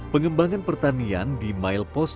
pengembangan pertanian di milepost dua puluh satu